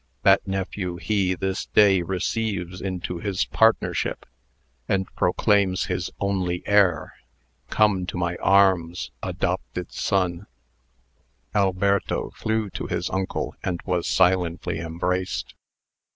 That nephew he this day receives into his partnership, and proclaims his only heir. Come to my arms, adopted son!" Alberto flew to his uncle, and was silently embraced.